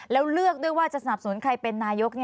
แล้วเลือกด้วยว่าจะสนับสนุนใครเป็นนายก